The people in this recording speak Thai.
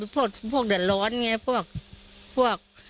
พวกเดือดร้อนไงพวก